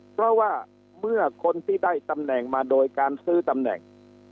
เพราะว่าเมื่อคนที่ได้ตำแหน่งมาโดยการซื้อตำแหน่ง